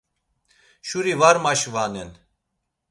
Şuri var maşvanen.